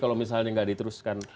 kalau misalnya tidak diteruskan